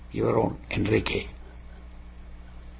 Your own Enriquez.